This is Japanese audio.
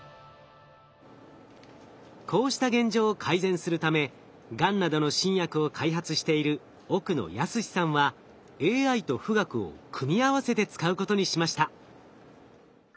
こうした現状を改善するためガンなどの新薬を開発している奥野恭史さんはＡＩと富岳を組み合わせて使うことにしました。